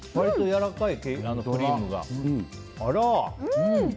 やわらかい、クリームが。